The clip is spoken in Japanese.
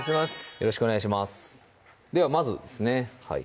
よろしくお願いしますではまずですね